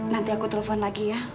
nanti aku telepon lagi ya